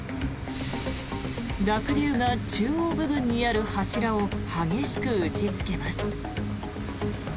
濁流が中央部分にある柱を激しく打ちつけます。